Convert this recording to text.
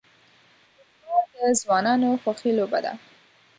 فوټبال د ځوانانو خوښی لوبه ده.